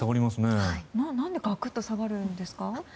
何でガクッと下がるんですか？